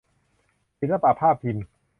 ศิลปะภาพพิมพ์